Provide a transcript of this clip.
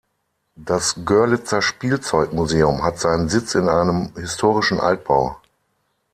Das Görlitzer Spielzeugmuseum hat seinen Sitz in einem historischen Altbau.